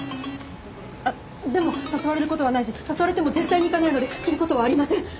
あっでも誘われる事はないし誘われても絶対に行かないので着る事はありません。